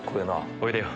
おいでよ。